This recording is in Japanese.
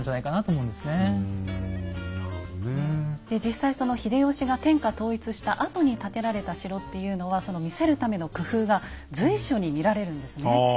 で実際秀吉が天下統一したあとに建てられた城っていうのはその見せるための工夫が随所に見られるんですね。